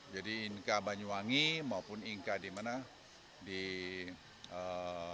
jadi inka banyuwangi maupun inka di madiun